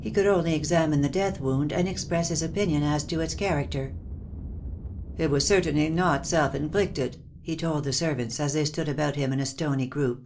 He could only examine the death wound and express his opinion as to its character. "It was certainly not self inflicted," he told the servants, as they stood about him in a stony group.